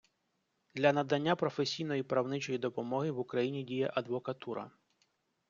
Для надання професійної правничої допомоги в Україні діє адвокатура.